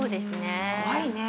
怖いね。